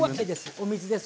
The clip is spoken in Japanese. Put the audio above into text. お水です。